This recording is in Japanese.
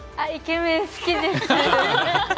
イケメン好きです！